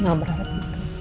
enggak berharap itu